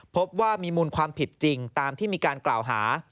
พบว่ามีมูลความผิดจริงตามที่มีการกล่าวหา